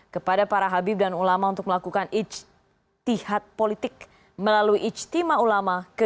kepada para habib dan ulama untuk melakukan ijtihad politik melalui ijtima ulama ke dua puluh